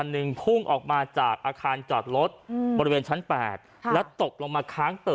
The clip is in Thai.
หนึ่งพุ่งออกมาจากอาคารจอดรถบริเวณชั้น๘แล้วตกลงมาค้างต่อ